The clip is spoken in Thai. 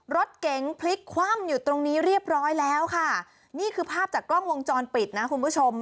รถเก๋งพลิกคว่ำอยู่ตรงนี้เรียบร้อยแล้วค่ะนี่คือภาพจากกล้องวงจรปิดนะคุณผู้ชม